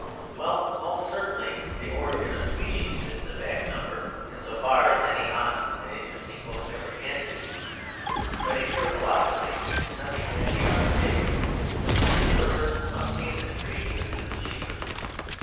Well, most certainly "The Origin of Species" is a back number, in so far as any honest and interesting book ever can be; but in pure philosophy nothing can be out of date, since the universe must be a mystery even to the believer.